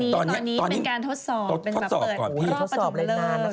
ตอนนี้เป็นการทดสอบทดสอบก่อนพี่ทดสอบรายการ